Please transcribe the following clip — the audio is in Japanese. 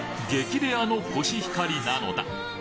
レアのコシヒカリなのだ